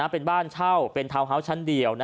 เป็นบ้านเช่าเป็นทาวน์ฮาวส์ชั้นเดียว